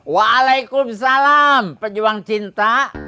waalaikumsalam pejuang cinta